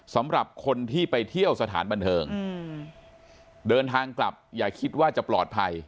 สำหรับคนที่ไปเที่ยวสถานบันเทิงเดินทางกลับอย่าคิดว่าจะปลอดภัย